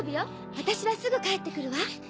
私はすぐ帰ってくるわ。